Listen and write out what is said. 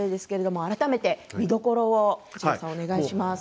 改めて見どころをお願いします。